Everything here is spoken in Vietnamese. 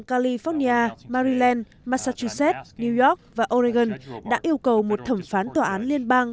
bang california maryland massachusetts new york và oregon đã yêu cầu một thẩm phán tòa án liên bang